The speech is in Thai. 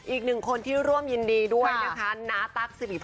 อีกคนที่ร่วมยินดีด้วยก็ก่อนนะคะ